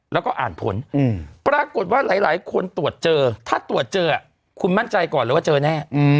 แล้วก็อ่านผลปรากฏว่าหลายคนตรวจเจอถ้าตรวจเจอคุณมั่นใจก่อนเลยว่าเจอแน่